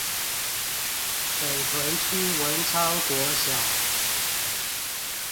北屯區文昌國小